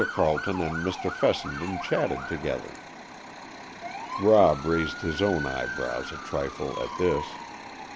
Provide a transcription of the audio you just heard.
Carleton and Mr. Fessenden chatted together." Rob raised his own eyebrows a trifle at this.